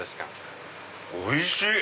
おいしい！